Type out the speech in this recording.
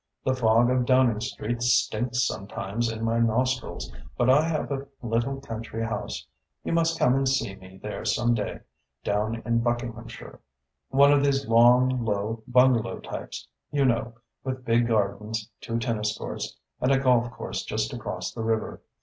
The fog of Downing Street stinks sometimes in my nostrils, but I have a little country house you must come and see me there some day down in Buckinghamshire, one of these long, low bungalow types, you know, with big gardens, two tennis courts, and a golf course just across the river.